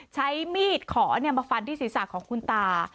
ใช้มีดขอมาฟันที่ศีรษะของคุณตา